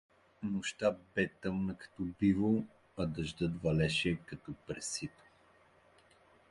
Нощта бе тъмна като бивол, а дъждът валеше като през сито.